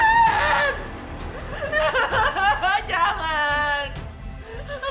jangan kamu telepon pak irfan